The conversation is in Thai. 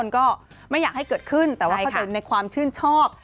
ว่าเหตุการณ์แบบนี้ทุกคนก็ไม่อยากให้เกิดขึ้นแต่ว่าเขาจะในความชื่นชอบ